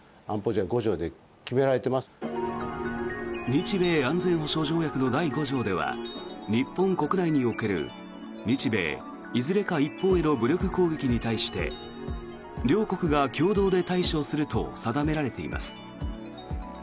日米安全保障条約の第５条では日本国内における日米いずれか一方への武力攻撃に対して両国が共同で対処すると定められています。